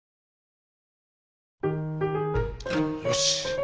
よし。